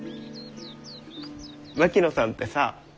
槙野さんってさ。